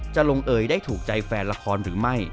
จะลงเอยได้ถูกใจแฟนละครหรือไม่